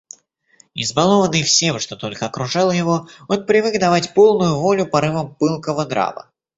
Избалованный всем, что только окружало его, он привык давать полную волю порывам пылкого нрава.